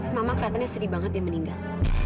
mama kelihatannya sedih banget dia meninggal